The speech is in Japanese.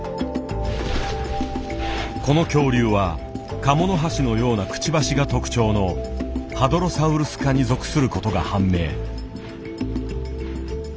この恐竜はカモノハシのようなくちばしが特徴のハドロサウルス科に属する事が判明。